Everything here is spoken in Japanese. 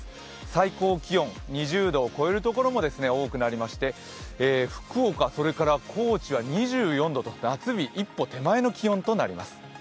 最高気温２０度を超えるところも多くなりまして福岡、高知は２４度と夏日一歩手前の気温となります。